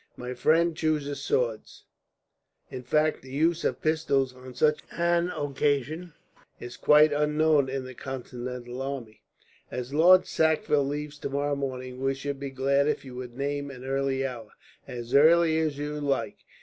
My friend chooses swords. In fact the use of pistols, on such occasions, is quite unknown in the Continental army." "As Lord Sackville leaves tomorrow morning, we should be glad if you would name an early hour." "As early as you like.